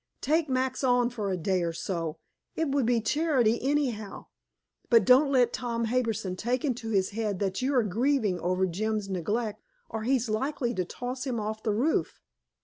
Take Max on for a day or so; it would be charity anyhow. But don't let Tom Harbison take into his head that you are grieving over Jim's neglect, or he's likely to toss him off the roof."